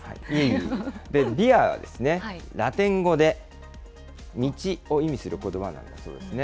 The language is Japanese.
で、ヴィアはラテン語で道を意味することばなんですね。